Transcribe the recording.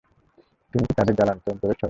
তুমি কি তাদের জ্বালাতন করেছ?